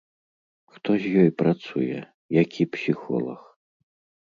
Хто з ёй працуе, які псіхолаг?